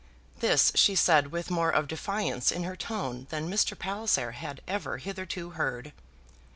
This she said with more of defiance in her tone than Mr. Palliser had ever hitherto heard.